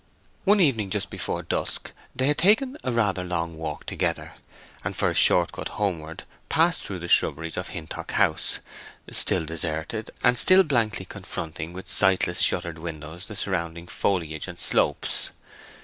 One evening just before dusk they had taken a rather long walk together, and for a short cut homeward passed through the shrubberies of Hintock House—still deserted, and still blankly confronting with its sightless shuttered windows the surrounding foliage and slopes.